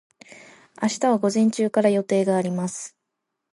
明日は午前中から予定があります。